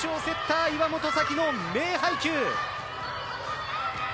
セッター岩本沙希の名配球。